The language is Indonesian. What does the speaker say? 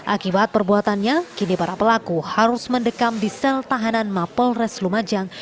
akibat perbuatannya kini para pelaku harus mendekam di sel tahanan mapolres lumajang